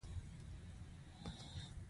فاریاب ولې د قالینو مرکز دی؟